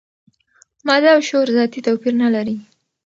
ماده او شعور ذاتي توپیر نه لري.